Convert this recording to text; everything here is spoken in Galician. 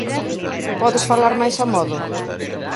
Podes falar máis amodo?